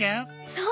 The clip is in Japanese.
そう！